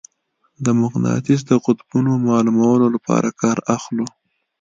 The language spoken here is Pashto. د مقناطیس د قطبونو معلومولو لپاره کار اخلو.